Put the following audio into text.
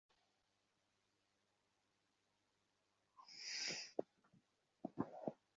সেই কারণে হয়তো তাঁদের শেষবেলায় এসে দুস্থ শিল্পী হিসেবে মৃত্যুবরণ করতে হয়েছে।